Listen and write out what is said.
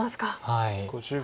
はい。